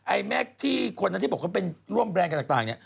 แม่ที่คนนั้นที่บอกเขาเป็นร่วมแรนด์กันต่างเนี่ย